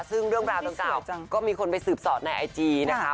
ซึ่งเรื่องราวดังกล่าวก็มีคนไปสืบสอดในไอจีนะคะ